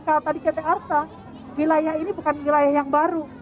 kalau tadi ct arsa wilayah ini bukan wilayah yang baru